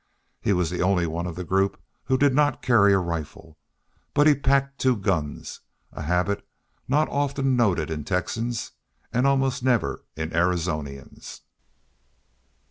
He was the only one of the group who did not carry a rifle. But he packed two guns, a habit not often noted in Texans, and almost never in Arizonians.